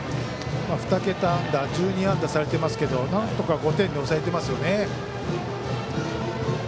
２桁安打１２安打されてますけどなんとか５点で抑えていますよね。